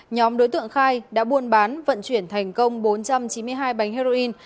nhóm đối tượng khai đã buôn bán vận chuyển thành công bốn trăm chín mươi hai bánh heroin